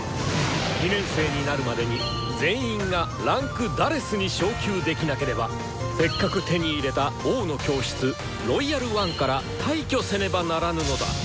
２年生になるまでに全員が位階「４」に昇級できなければせっかく手に入れた「王の教室」「ロイヤル・ワン」から退去せねばならぬのだ！